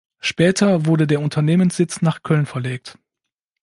Später wurde der Unternehmenssitz nach Köln verlegt.